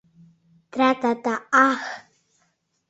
Тра-та-та… Аххх!..